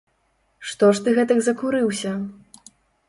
Што ж ты гэтак закурыўся?